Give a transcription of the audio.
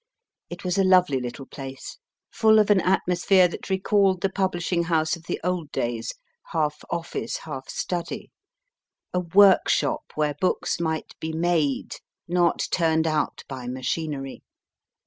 It was a lovely little place, full of an atmosphere that recalled the publishing house of the old days, half office, half study ; a workshop where books might be made, not turned out by machinery.